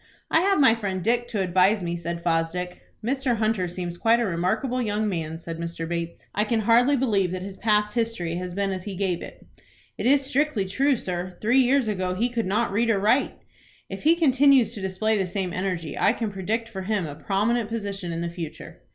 "I have my friend Dick to advise me," said Fosdick. "Mr. Hunter seems quite a remarkable young man," said Mr. Bates. "I can hardly believe that his past history has been as he gave it." "It is strictly true, sir. Three years ago he could not read or write." "If he continues to display the same energy, I can predict for him a prominent position in the future."